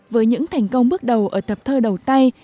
với những thành công bước đầu ở tập thơ đầu tay